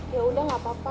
ya udah gak apa apa